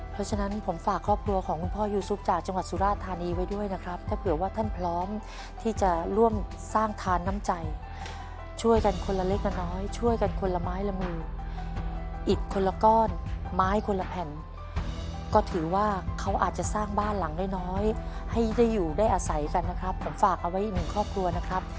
เพราะฉะนั้นผมฝากครอบครัวของคุณพ่อยูซุกจากจังหวัดสุราธานีไว้ด้วยนะครับถ้าเผื่อว่าท่านพร้อมที่จะร่วมสร้างทานน้ำใจช่วยกันคนละเล็กละน้อยช่วยกันคนละไม้ละมืออีกคนละก้อนไม้คนละแผ่นก็ถือว่าเขาอาจจะสร้างบ้านหลังน้อยให้ได้อยู่ได้อาศัยกันนะครับผมฝากเอาไว้อีกหนึ่งครอบครัวนะครับ